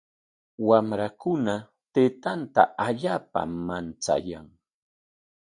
Wamrakuna taytanta allaapam manchayan.